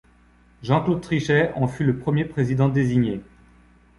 Jean-Claude Trichet en fut le premier président désigné.